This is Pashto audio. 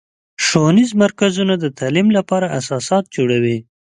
ښوونیز مرکزونه د تعلیم لپاره اساسات جوړوي.